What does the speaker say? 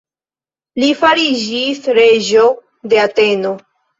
Li fariĝis reĝo de Ateno.